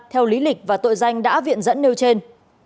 theo lý lịch và tội danh đã viện dẫn nêu trên